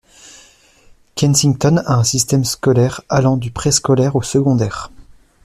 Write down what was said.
Kensington a un système scolaire allant du préscolaire au secondaire.